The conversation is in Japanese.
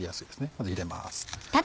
まず入れます。